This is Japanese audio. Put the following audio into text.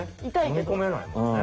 飲み込めないもんね。